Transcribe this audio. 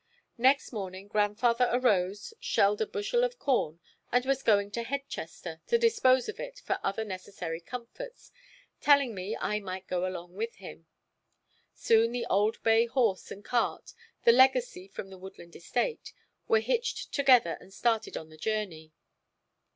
Next morning grandfather arose, shelled a bushel of corn and was going to Headchester to dispose of it for other necessary comforts, telling me I might go along with him. Soon the old bay horse and cart, the legacy from the Woodland estate, were hitched together and started on the journey.